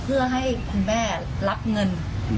เพื่อให้คุณแม่รับเงิน